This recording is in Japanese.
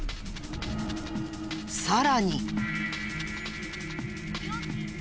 さらに！